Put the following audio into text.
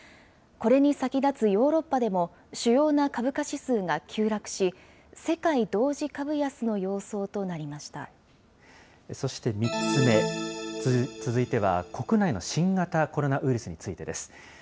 これに先立つヨーロッパでも主要な株価指数が急落し、世界同時株そして３つ目。続いては国内の新型コロナウイルスについてです。